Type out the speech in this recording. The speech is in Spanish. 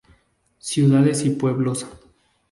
Ciudades y pueblos